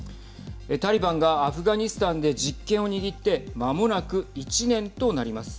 タリバンがアフガニスタンで実権を握ってまもなく、１年となります。